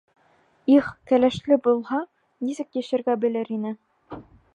Их, кәләшле булһа, нисек йәшәргә белер ине.